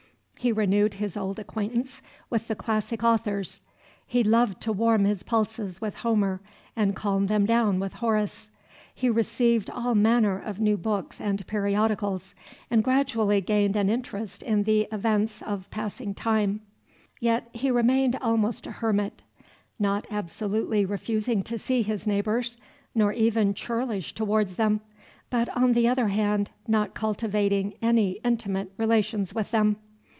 He renewed his old acquaintance with the classic authors. He loved to warm his pulses with Homer and calm them down with Horace. He received all manner of new books and periodicals, and gradually gained an interest in the events of the passing time. Yet he remained almost a hermit, not absolutely refusing to see his neighbors, nor even churlish towards them, but on the other hand not cultivating any intimate relations with them.